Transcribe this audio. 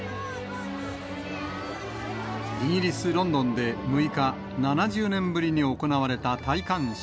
イギリス・ロンドンで６日、７０年ぶりに行われた戴冠式。